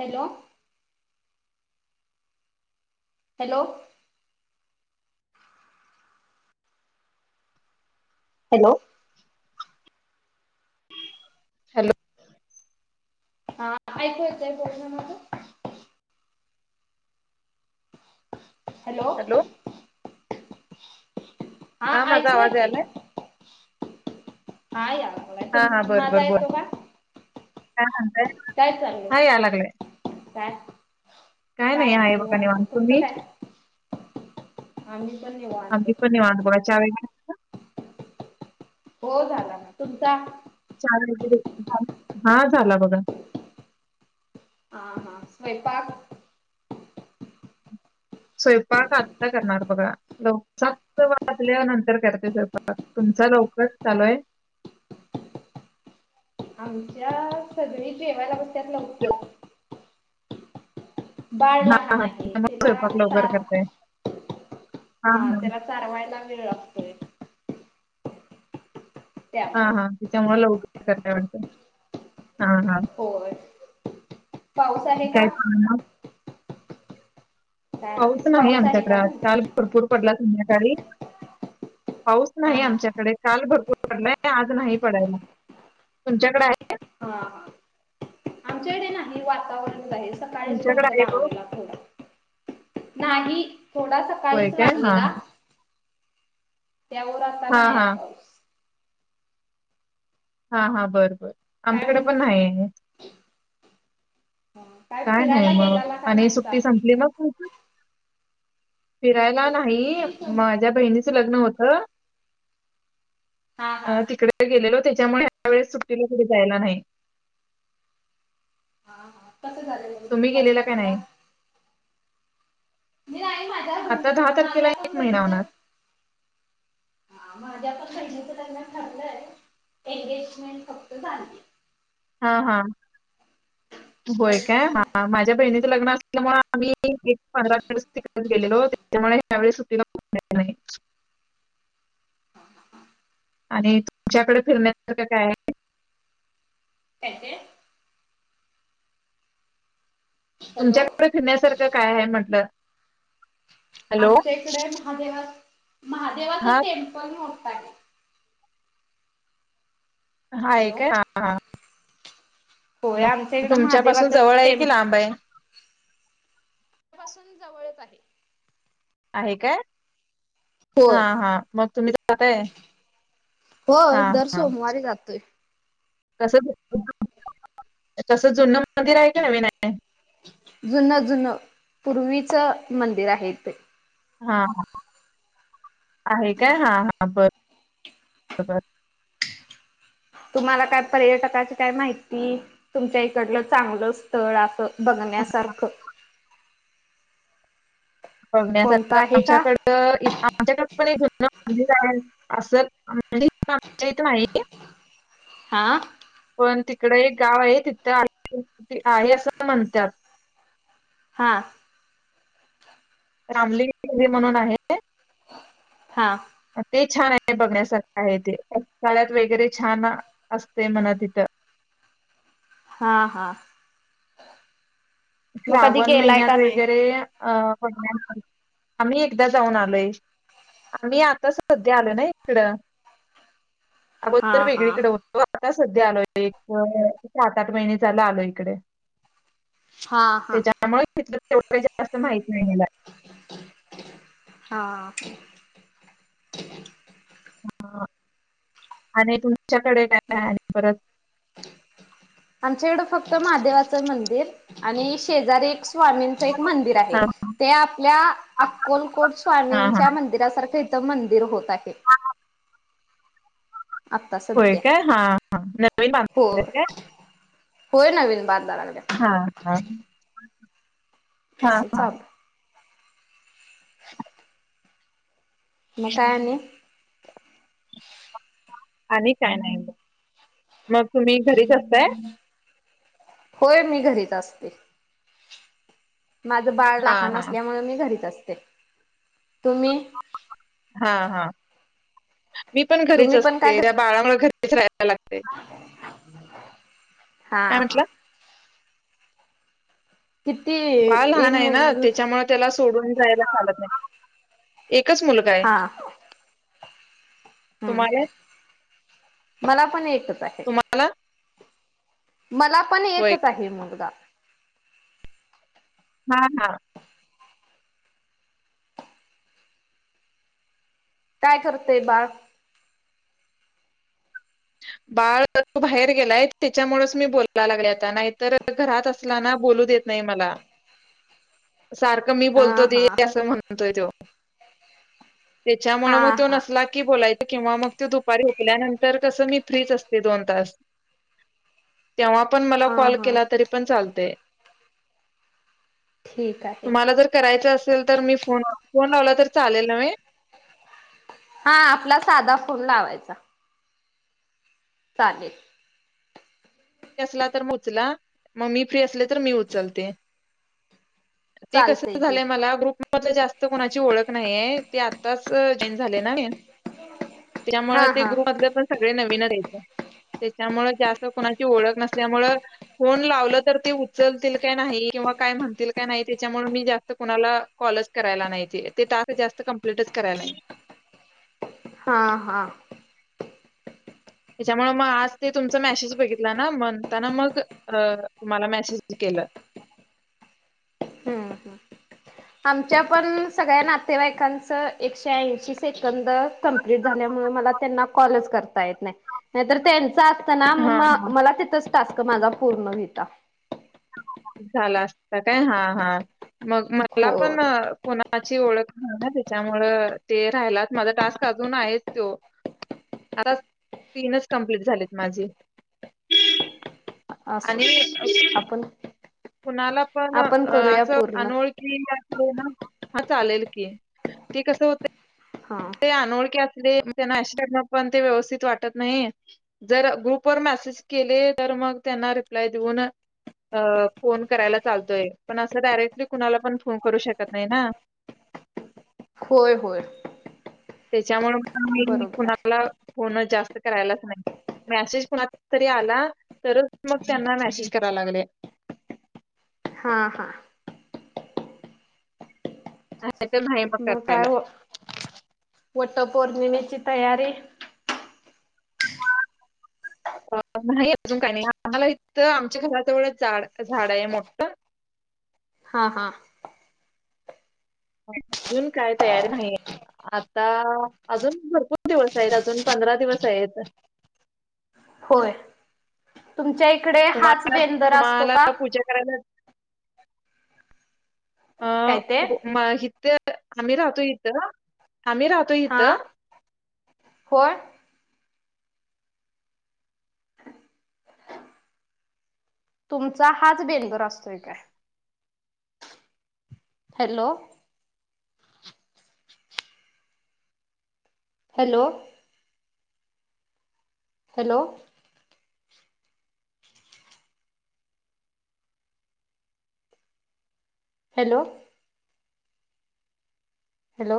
Hello hello hello [inaudible] हा ऐकू येतय बोलणं माझ हॅलो हा माझा ऐकू आवाज येते यालाय? का [inaudible] तुम माझा येतो का? [inaudible] काय चालू हा याय लागलाय आहे. काय काय नाही आहे बघा निवांत, तुम्ही आम्ही पण निवांत आम्हीपण निवांत बघा चहा वगैरे हो झाला ना तुमचा चहा हा झाला बघा हा हा स्वयंपाक स्वयंपाक आता करणार बघा लव सात वाजल्या नंतर करते स्वयंपाक तुमचा लवकरच चालू आहे. आमच्यात सगळी जेवायला बस [inaudible] हा हा आहे त्यामुळे त्याला स्वयंपाक लवकर सात करताय. हा त्याला चारवायला [inaudible] हा त्यामुळे हा त्याच्यामुळे लव [inaudible] होय पाऊस आणि आलय का? काय चाललंय मग काय पाऊस नाही आहे आमच्याकडे काय आज म्हटलं काल भरपूर पडला. संध्याकाळी पाऊस हा नाही हा आमच्याकडे काल भरपूर पडलाय आज नाही पडायला तुमच्याकडे आहे. हा हा आमच्याकडे नाही हे वातावरण आहे सकाळीच तुमच्याकडे फक्त आहे हो? लागलेला थोडा नाही. थोडा होय सकाळीच काय? हां. लागलेला. त्यावर आता हां, नाही हाय हां. पाऊस. हा, हा. बरं, बरं. काय आमच्याकडे पण नाही. काय फिरायला नाही मग गेलाला का आणि नाहीसा सुट्टी संपली मग तुमची? फिरायला - - नाही. माझ्या बहिणी - - च लग्न होतं. हा हा अ तिकडे गेलेलो. तेच्यामुळे ह्या वेळेस सुट्टीला कुठं जायला नाही. हा हा कसं झालं लग्न? तुम्ही छान गेलेला झालं का? नाही? मी नाही माझ्या बहिणी आता दहा माझ्या तारखेला पण एक महिना बहिणीच होणार. माझ्या बहिणीच लग्न ठरलंय. एंगेजमेंट फक्त झालिए. ह, हं. होय लग्न काय? अजून हा नाही माझ्या बहिणीचं लग्न अस त्यामुळे आम्ही एक पंधरा दिवस तिकडेच गेलेलो. त्याच्यामुळे ह्यावेेळी सुटीला कुठेचं नाही आणि तुमच्याकडे फिरण्यासारखं काय आहे? काय ते? हॅलो तुमच्याकडे फिरण्यासारखं काय आहे म्हटलं? हॅलो? आमच्या इकडे महादेवाचं हां, महादेवाचं टेम्पल मो काय ते? हाये हॅलो. काय हा हा. होय मग आमच्या इकडं तुमच्या पासून महादेवाचं जवळ आहे टेम कि लांब आहे? पासून जवळचं आहे. आहे काय? हा होय हा मग तुम्ही जातायं? हो हा हा. कस [unintelligible] कसं जुनं मंदिर आहे का नवीन आहे? जुनं जुनं पूर्वीचं मंदिर आहे ते. हा हा आहे काय, हा हा बरं बरं. तुम्हाला काय पर्यटकाची काय माहिती, तुमच्या इकडलं चांगलं स्थळ असं बघण्यासारखं बघण्या कोणतं सारखं आहे आमच्या का? कडं इथं आमच्या कडं पण असल आ आ इथ नाही [unintelligible] आ? पण तिकड एक गाव आहे तिथे आहे असं म्हणतात. हा. रामलिंग हे म्हणून आहे. हा. ते छान आहे बघण्यासारख आहे, ते काळात वगैरे छान असते म्हण तिथं. हा. हा. मग कधी श्रावण गेलाय महिन्यात का नाही? वगैरे अ आम्ही एकदा जाऊन आलोय, आम्ही आताच सध्या आलो ना इकड हा अगोदर हा वेगळीकड होतो. आता सध्या आलो, एक सात आठ महिने झाला आलो इकडे. हा. हा. त्याच्यामुळे तेवढं जास्त माहित नाहीला [unintelligible] [unintelligible] हां. ह आणि तुम [unintelligible] [unintelligible] त्याच्याकडे काय आहे आणि परत? आमच्याकडं फक्त महादेवाचं मंदिर आणि शेजारी एक स्वामींच एक मंदिर आहे, हा हा. ते आपल्या अक्कलकोट हा हा. स्वामींच्या मंदिरासारखे मंदिर होत. ह [inaudible] होय काय, हा. हा. नवीन का हो [unintelligible] होय नवीन बांध हा. हा. हा असं हा चाल. [inaudible] मग काय आणि? आणि काय नाही बग, मग तुम्ही घरी करताय? होय, मी घरीच असते. माझं बाळ हां, लहान हां. असल्यामुळे मी घरीच असते. तुम्ही? हां, हां. मी पण घरीच तुम्ही पण काय असते त्या बाळामुळे घरीच राहायला लागतय. हा काय हा म्हंटला? किती बाळ एक लहान आहे, ना मुल त्याच्यामुळे त्याला सोडून जायला चालत नाही. एकच मुलगा आहे. ह हम तुम्हाला? मला पण एकच आहे. तुम्हाला? मला पण होय. एकच आहे मुलगा. हा. हा. काय करतंय बाळ? बाळ तू बाहेर गेलाय, त्याच्यामुळेच मी बोलायला लागले आता नाहीतर घरात असलाना बोलू देत नाही मला. सारखं मी हा बोलतो दे हा असं म्हणतोय त्यो. हा त्याच्यामुळे मग तो हा नसला की, बोलायच. किंवा मग तो दुपारी झोपल्यानंतर. तसं मी फ्रीच असते, दोन तास. तेव्हा पण मला हा कॉल हा केला तरी पण चालतय. ठीक आहे तुम्हाला जर करायचं असल असल तर मी फोन, फोन लावला तर चालेल नव्हे. हा आपला साधा फोन लावायचा. चालेल. फ्री असला तर मग उचला, मग मी फ्री असले तर मी उचलते. ते कस चालतय की झालंय मला ग्रुप मध्ये जास्त कोणाची ओळख नाही आहे. ते आत्ताच जॉईन झाले ना मी. त्यामुळे हा ते हा ग्रुपमधले पण सगळे नवीनच. हाईत त्याच्यामुळ जास्त कोणाची ओळख नसल्यामुळ फोन लावल तर ते उचलतील काय नाही, किंवा काय म्हणतील काय नाही, त्याच्यामुळे मी जास्त कुणाला कॉलच करायला नाही, ते टास्क जास्त कम्प्लीट करायला नाही. हा हा. त्याच्यामुळे, मग आज ते तुमचा मॅसेज बघितला ना, म्हणताना मग अ तुम्हाला मॅसेज केलं. हम्म हम्म, आमच्या पण सगळ्या नातेवाईकांचं एकशे ऐंशी सेकंद कंप्लीट झाल्यामुळे, मला त्यांना कॉलच करता येत नाही. नाहीतर तेन चा असत ना हां, हां. म् मला तिथच. टास्क माझा पूर्ण व्हईता. झाला असता काय? हा हा. मग मला पण, होय कोणा कोणाची ओळख नाही ना, त्यांच्यामुळ ते राहिलाच माझा टास्क अजून हायेच तो, आता तीनच कप्लीट झालेत माझे असो आणि अ आपण कुणाला पण आपण करूया आस पूर्ण अनोळखी यात हा चालेल की, ते कस होतय? हा ते अनोळखी अस दे म त्यांना पण ते व्यवस्थित वाटत नाही. जर ग्रुप वर मॅसेज केले तर, मग त्यांना रिप्लाय देऊन अ फोन करायला चालतोय, पण अस डायरेक्टली कुणाला पण फोन करू शकत नाही ना. होय होय. तेच्यामुळ मी बरोबर आहे. कुणाला फोन जास्त करालाच नाही मसेज कुणाचा तरी आला तरच मग त्यांना मेसेज कराया लागले. हा हा नाहीतर नाही मग काय करायला. हो वट पौर्णिमे ची तयारी अ नाही अजून काही नाही आम्हाला इथ आमच्या घरा जवळच झाड झाड आहे मोठं हा हा. अजून काय तयार नाही आता अजून भरपूर दिवस आहेत अजून पंधरा दिवस आहेत. होय. तुमच्या इकडे हाच तुम्हाला बेंदर असतो तुम्हाला का? पूजा करायला अ काय ते माहित आम्ही राहतो इथं आम्ही राहतो हा इथं होय तुमचा हाच बेंदूर असतोय काय? Hello hello hello hello hello